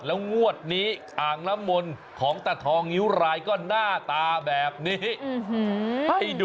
แล้วงวดนี้อ่างน้ำมนต์ของตาทองนิ้วรายก็หน้าตาแบบนี้